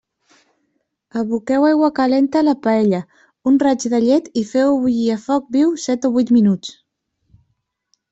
Aboqueu aigua calenta a la paella, un raig de llet i feu-ho bullir a foc viu set o vuit minuts.